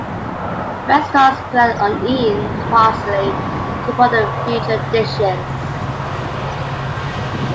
Restaurants collect uneaten parsley to put on future dishes.